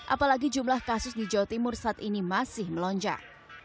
apalagi jumlah kasus di jawa timur saat ini masih melonjak